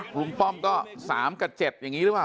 ป้อมก็๓กับ๗อย่างนี้หรือเปล่า